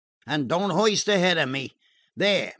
And don't hoist ahead of me. There!